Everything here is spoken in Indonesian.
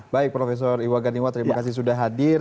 baik prof iwa ganiwa terima kasih sudah hadir